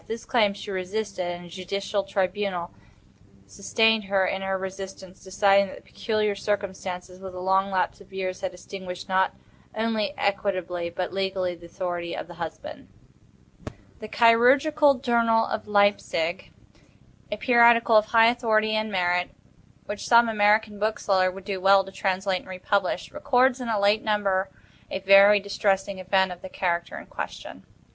This claim she resisted, and a judicial tribunal sustained her in her resistance, deciding that the peculiar circumstances, with the long lapse of years, had extinguished, not only equitably, but legally, the authority of the husband. The "Chirurgical Journal" of Leipsic, a periodical of high authority and merit, which some American bookseller would do well to translate and republish, records in a late number a very distressing event of the character in question.